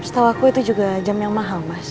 setahu aku itu juga jam yang mahal mas